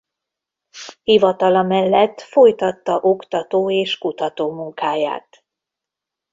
Hivatala mellett folytatta oktató- és kutatómunkáját.